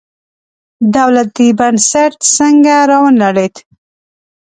دولتي بنسټ څنګه راونړېد.